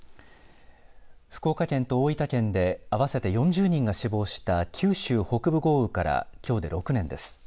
福岡県と大分県で合わせて４０人が死亡した九州北部豪雨からきょうで６年です。